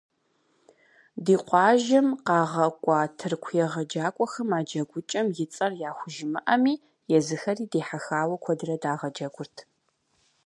Ди къуажэм къагъэкӀуа тырку егъэджакӀуэхэм а джэгукӏэм и цӀэр яхужымыӏэми, езыхэри дихьэхауэ куэдрэ дагъэджэгурт.